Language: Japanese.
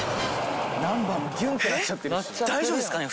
大丈夫っすかね？